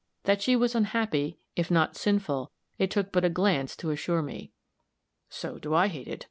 That she was unhappy, if not sinful, it took but a glance to assure me. "So do I hate it.